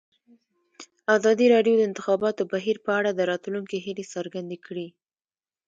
ازادي راډیو د د انتخاباتو بهیر په اړه د راتلونکي هیلې څرګندې کړې.